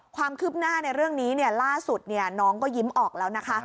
ความคืบหน้าในเรื่องนี้ล่าสุดน้องก็ยิ้มออกแล้วนะคะ